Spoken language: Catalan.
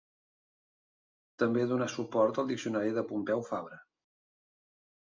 També donà suport al diccionari de Pompeu Fabra.